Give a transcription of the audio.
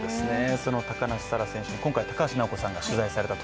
その高梨沙羅選手、今回、高橋尚子さんが取材されました。